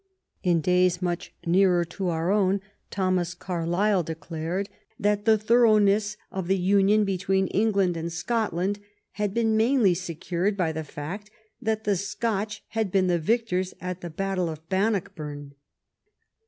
In days much nearer to our own Thomas Carlyle declared that the thoroughness of the union between England and Scotland had been mainly secured by the fact that the Scotch had been the victors at the battle of Bannockburn.